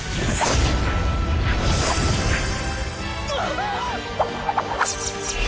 あっ！